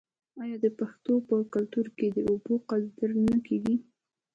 آیا د پښتنو په کلتور کې د اوبو قدر نه کیږي؟